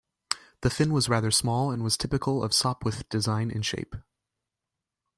The fin was rather small and was typical of Sopwith design in shape.